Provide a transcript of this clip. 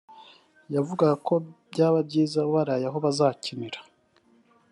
yavugaga ko byaba byiza baraye aho bazakinira